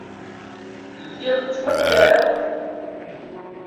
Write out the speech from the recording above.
Lliɣ ttwabdareɣ-d.